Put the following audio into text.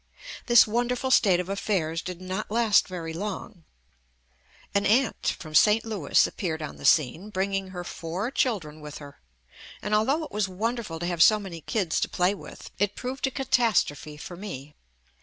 This wonderful state of affairs did not last very long. An aunt from St. Louis appeared on the scene bringing her four children with her, and although it was wonderful to have so many kids to play with it proved a catastrophe for me.